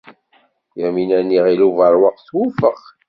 Yamina n Yiɣil Ubeṛwaq twufeq.